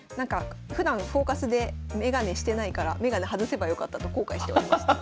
ふだん「フォーカス」で眼鏡してないから眼鏡外せばよかったと後悔しておりました。